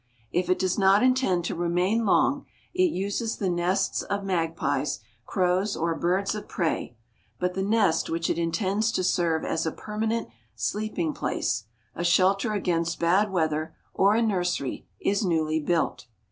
If it does not intend to remain long it uses the nests of magpies, crows, or birds of prey, but the nest which it intends to serve as a permanent sleeping place, a shelter against bad weather, or a nursery, is newly built.